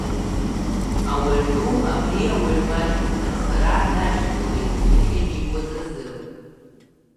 Ауаҩ ду абри ауаҩ маҷ иҭархара дашьҭалеит иахьимеикуаз азы.